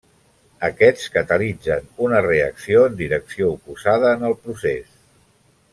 Aquests catalitzen una reacció en direcció oposada en el procés.